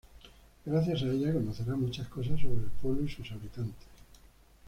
Gracias a ella conocerá muchas cosas sobre el pueblo y sus habitantes.